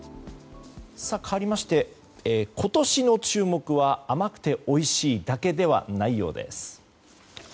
かわりまして、今年の注目は甘くておいしいだけではないようです。